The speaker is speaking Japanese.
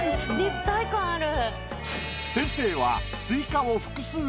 立体感ある。